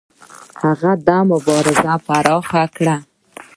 هغه دا مبارزه پراخه کړه.